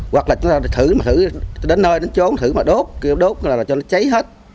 hoặc là chúng ta thử đến nơi đến chỗ thử mà đốt đốt là cho nó cháy hết